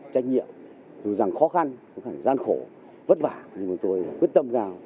trách nhiệm dù rằng khó khăn gian khổ vất vả nhưng tôi quyết tâm ra